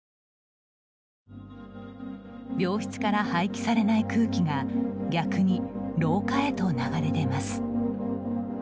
病室から排気されない空気が逆に廊下へと流れ出ます。